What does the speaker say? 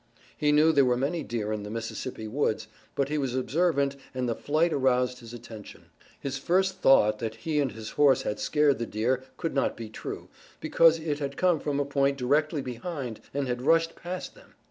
He knew there were many deer in the Mississippi woods, but he was observant and the flight aroused his attention. His first thought that he and his horse had scared the deer could not be true, because it had come from a point directly behind and had rushed past them.